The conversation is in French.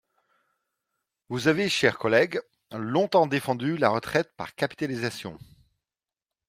Vous avez, chers collègues, longtemps défendu la retraite par capitalisation.